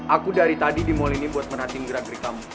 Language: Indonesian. aku dari tadi di mall ini buat merhatiin gerak gerik kamu